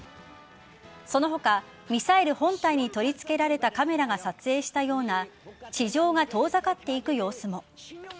その他、ミサイル本体に取り付けられたカメラが撮影したような地上が遠ざかっていく様子も。